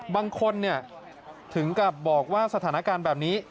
บางคนถึงกับบอกว่าสถานการณ์แบบนี้